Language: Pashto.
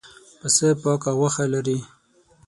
پسه پاکه غوښه لري.